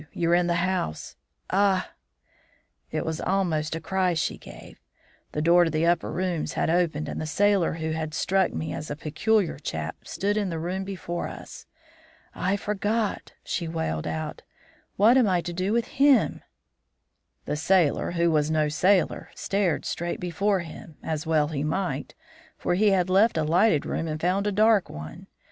You're in the house Ah!' "It was almost a cry she gave; the door to the upper rooms had opened and the sailor who had struck me as such a peculiar chap stood in the room before us. 'I forgot,' she wailed out. 'What am I to do with him?' "The sailor, who was no sailor, stared straight before him, as well he might, for he had left a lighted room and found a dark one.